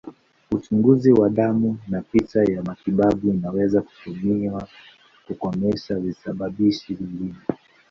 Uchunguzi wa damu na picha ya matibabu inaweza kutumiwa kukomesha visababishi vingine.